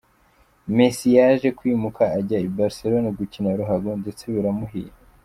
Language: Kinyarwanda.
Messi yaje kwimuka ajya i Barcelona gukina ruhago ndetse biramuhira.